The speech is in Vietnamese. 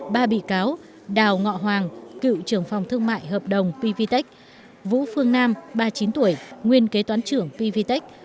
ba bị cáo đào ngọ hoàng cựu trưởng phòng thương mại hợp đồng pvtec vũ phương nam ba mươi chín tuổi nguyên kế toán trưởng pvtec